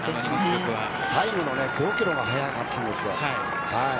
最後の５キロが速かったです。